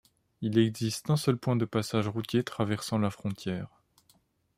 Il existe un seul point de passage routier traversant la frontière.